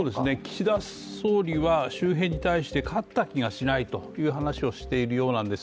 岸田総理は周辺に対して勝った気がしないと話しているようなんです。